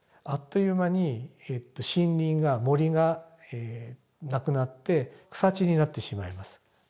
あっという間に森林が森がなくなって草地になってしまいます。